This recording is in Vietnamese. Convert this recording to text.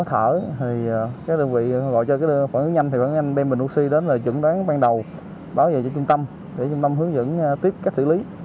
thì các đơn vị gọi cho cái phản ứng nhanh thì phản ứng nhanh đem bệnh oxy đến là chuẩn đoán ban đầu bảo vệ cho trung tâm để trung tâm hướng dẫn tiếp cách xử lý